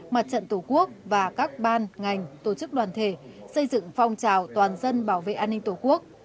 mặt trận tổ quốc và các ban ngành tổ chức đoàn thể xây dựng phong trào toàn dân bảo vệ an ninh tổ quốc